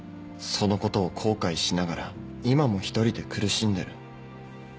そのことを後悔しながら今も一人で苦しんでる。